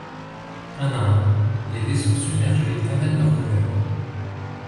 Un à un les vaisseaux submergés amènent leur couleur.